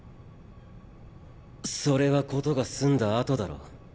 それは事が済んだあとだろう。